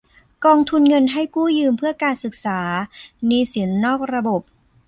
กองทุนเงินให้กู้ยืมเพื่อการศึกษา หนี้สินนอกระบบ